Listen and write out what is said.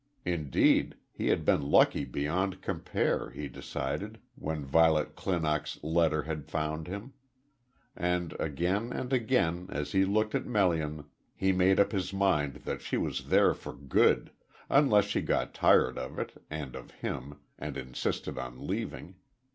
Indeed, he had been lucky beyond compare, he decided, when Violet Clinock's letter had found him; and again and again as he looked at Melian, he made up his mind that she was there for good, unless she got tired of it and of him and insisted on leaving.